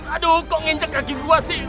aduh kok nginjak kaki gue sih